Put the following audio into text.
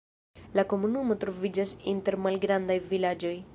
La komunumo troviĝas inter malgrandaj vilaĝoj.